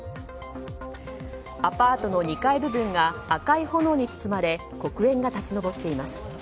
アパートの２階部分が赤い炎に包まれ黒煙が立ち上っています。